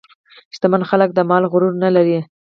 شتمن خلک د مال غرور نه لري.